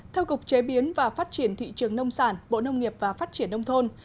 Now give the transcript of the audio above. theo cục chế biến và phát triển thị trường nông sản bộ nông nghiệp và phát triển nông thôn